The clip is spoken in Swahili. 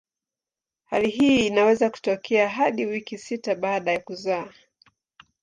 Hali hii inaweza kutokea hadi wiki sita baada ya kuzaa.